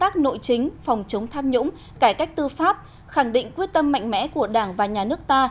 chính phòng chống tham nhũng cải cách tư pháp khẳng định quyết tâm mạnh mẽ của đảng và nhà nước ta